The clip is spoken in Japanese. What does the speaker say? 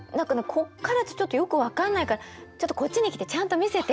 こっからじゃちょっとよく分かんないからちょっとこっちに来てちゃんと見せて。